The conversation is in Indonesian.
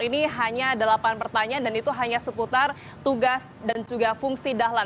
ini hanya delapan pertanyaan dan itu hanya seputar tugas dan juga fungsi dahlan